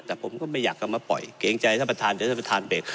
แต่ผมก็ไม่อยากกลับมาปล่อยเกรงใจท่านประธานเดี๋ยวท่านประธานเบรก